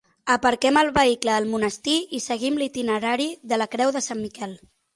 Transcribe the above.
Aparquem el vehicle al monestir i seguim l'itinerari de la Creu de Sant Miquel.